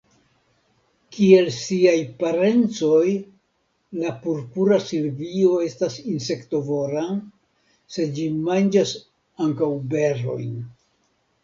Kiel siaj parencoj, la Purpura silvio estas insektovora, sed ĝi manĝas ankaŭ berojn.